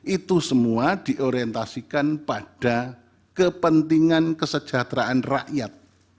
itu semua diorientasikan pada kepentingan kesejahteraan rakyat